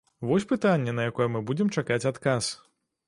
Вось пытанне, на якое мы будзем чакаць адказ.